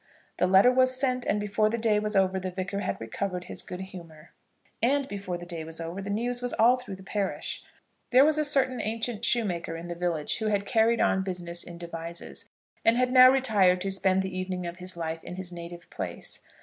The letter was sent, and before the day was over the Vicar had recovered his good humour. And before the day was over the news was all through the parish. There was a certain ancient shoemaker in the village who had carried on business in Devizes, and had now retired to spend the evening of his life in his native place.